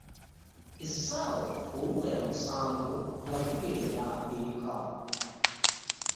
Essaawa oluwera omusanvu nga tugenda eka.